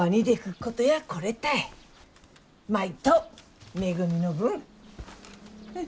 舞とめぐみの分。